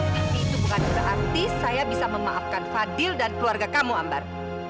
tapi itu bukan berarti saya bisa memaafkan fadil dan keluarga kamu ambar